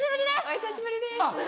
お久しぶりです。